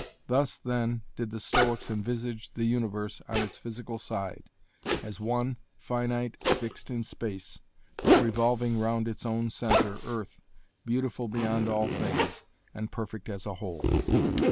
Thus, then, did the Stoics envisage the universe on its physical side as one, finite, fixed in space, but revolving round its own centre, earth, beautiful beyond all things, and perfect as a whole.